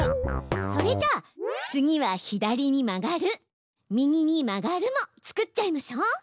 それじゃ次は「左に曲がる」「右に曲がる」も作っちゃいましょう！